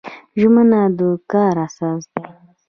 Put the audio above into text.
ژمنه د کار اساس دی